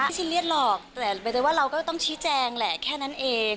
ซีเรียสหรอกแต่ว่าเราก็ต้องชี้แจงแหละแค่นั้นเอง